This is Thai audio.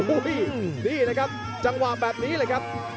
โอ้โหนี่นะครับจังหวะแบบนี้เลยครับ